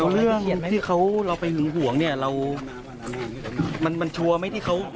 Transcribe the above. เอาเรื่องที่เราไปหึงห่วงเนี่ยเรามันชัวร์ไหมที่เขา